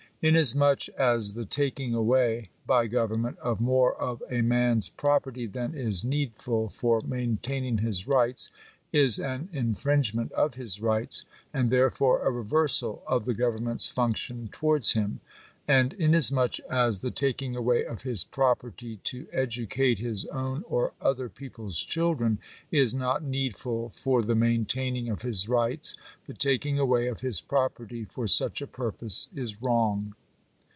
Inasmuch as the taking ' away, by government, of more df a man's property than is need ful for maintaining his rights, is an infringement of his rights, and therefore a reversal of the government's function towards him ; and inasmuch as the taking away of his property to edu cate his own or other people's children is not needful for the maintaining of his rights ; the taking away of his property for such a purpose is wrong.